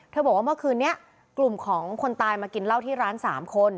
บอกว่าเมื่อคืนนี้กลุ่มของคนตายมากินเหล้าที่ร้าน๓คน